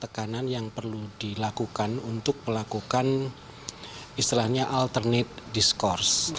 tekanan yang perlu dilakukan untuk melakukan istilahnya alternate diskurs